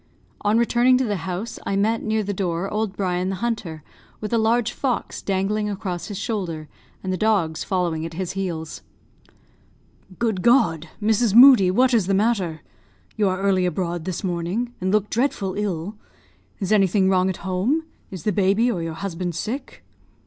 On returning to the house I met, near the door, old Brian the hunter, with a large fox dangling across his shoulder, and the dogs following at his heels. "Good God! Mrs. Moodie, what is the matter? You are early abroad this morning, and look dreadful ill. Is anything wrong at home? Is the baby or your husband sick?"